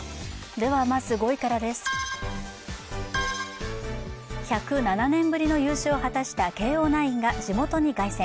まず５位からです、１０７年ぶりの優勝を果たした慶応ナインが地元に凱旋。